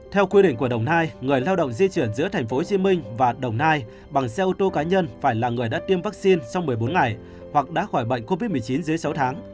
theo quy định của đồng nai người lao động di chuyển giữa tp hcm và đồng nai bằng xe ô tô cá nhân phải là người đã tiêm vaccine trong một mươi bốn ngày hoặc đã khỏi bệnh covid một mươi chín dưới sáu tháng